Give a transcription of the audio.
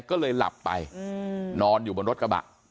ก็เลยหลับไปนอนอยู่บนรถกระบะ